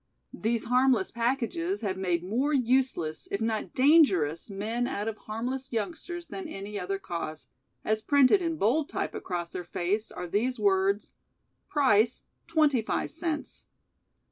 These harmless packages have made more useless, if not dangerous men out of harmless youngsters than any other cause, as printed in bold type across their face are these words: "PRICE 25 CENTS".